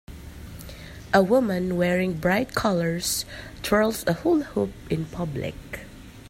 A woman wearing bright colors twirls a hula hoop in public.